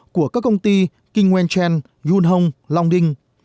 của các công ty king wen chen yun hong long ding